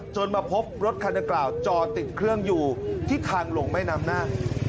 มาพบรถคันดังกล่าวจอติดเครื่องอยู่ที่ทางลงแม่น้ำน่า